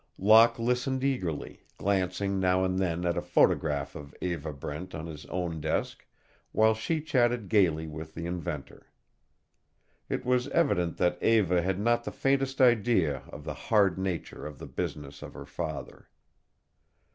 Locke listened eagerly, glancing now and then at a photograph of Eva Brent on his own desk, while she chatted gaily with the inventor. It was evident that Eva had not the faintest idea of the hard nature of the business of her father.